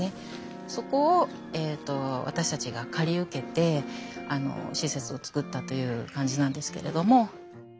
そこを私たちが借り受けて施設をつくったという感じなんですけれども。